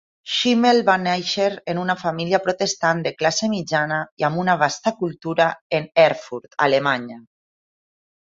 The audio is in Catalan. Schimmel va néixer en una família protestant de classe mitjana i amb una vasta cultura en Erfurt, Alemanya.